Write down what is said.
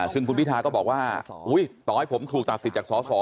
ซึ่งคุณพิทาก็บอกว่าต่อให้ผมถูกตัดสิทธิ์จากสส